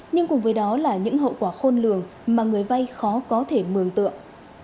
nhưng cùng với đó là những hậu quả khôn lường mà người vay khó có thể mường tượng